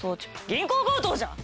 銀行強盗じゃん！